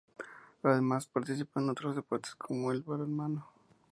Además, participa en otros deportes como el balonmano.